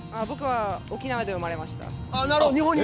僕は沖縄で生まれました。